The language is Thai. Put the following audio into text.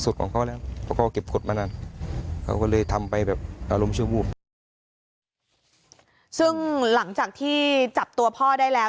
ซึ่งหลังจากที่จับตัวพ่อได้แล้ว